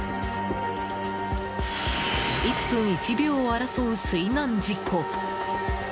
１分１秒を争う水難事故。